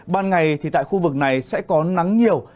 ban ngày thì tại khu vực này sẽ có nắng nhiều